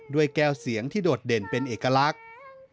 ด้วยแก้วเสียงที่โดดเด่นเป็นเอกลักษณ์